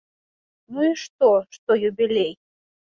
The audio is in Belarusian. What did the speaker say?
Ну і што, што юбілей?